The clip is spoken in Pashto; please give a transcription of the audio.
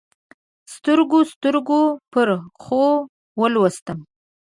سترګو، سترګو پرخو ولوستم